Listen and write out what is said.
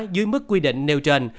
dưới mức quy định nêu trên